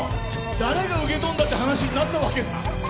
誰が受け取るんだって話しになったわけさ。